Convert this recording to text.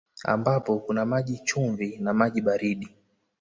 Ambapo kuna maji chumvi na maji baridi